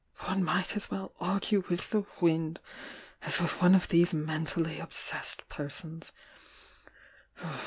"One might as well argue with the wind as with one of these mentally obsessed persons!